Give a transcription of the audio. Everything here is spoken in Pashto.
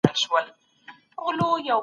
دغه کتاب د ریترز لخوا لیکل سوی دی.